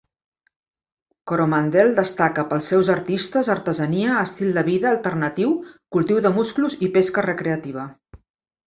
Coromandel destaca pels seus artistes, artesania, estil de vida alternatiu, cultiu de musclos i pesca recreativa.